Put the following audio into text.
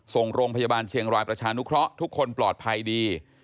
ส่งโรงพยาบาลเชียงรายประชานุเคราะห์ทุกคนปลอดภัยดี